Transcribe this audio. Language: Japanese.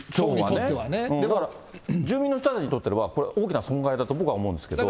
だから住民の人たちにとってみれば、これ、大きな損害だと僕は思うんですけど。